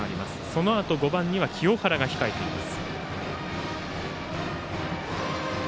そのあと５番には清原が控えています。